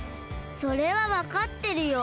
それはわかってるよ。